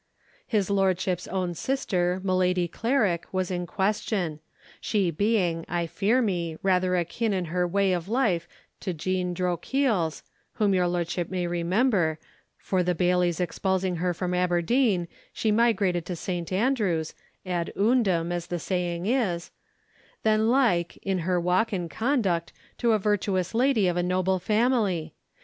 His lordship's own sister Milady Clarik was in question; she being, I fear me, rather akin in her way of life to Jean Drocheils (whom your lordship may remember; for, the Baillies expulsing her from Aberdeen, she migrated to St. Andrews, ad eundem, as the saying is) than like, in her walk and conduct, to a virtuous lady of a noble family.